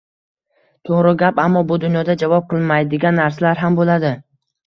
To’g’ri gap, ammo bu dunyoda javob qilinmaydigan narsalar ham bo’ladi.